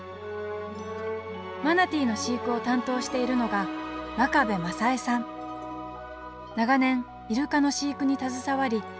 マナティーの飼育を担当しているのが長年イルカの飼育に携わり